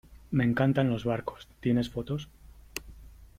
me encantan los barcos .¿ tienes fotos ?